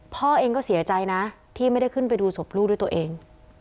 พ่อเองก็เสียใจนะที่ไม่ได้ขึ้นไปดูศพลูกด้วยตัวเอง